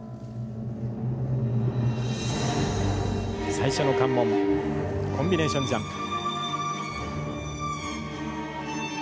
最初の関門コンビネーションジャンプ。